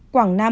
quảng nam một